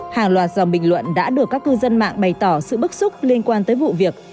hàng loạt dòng bình luận đã được các cư dân mạng bày tỏ sự bức xúc liên quan tới vụ việc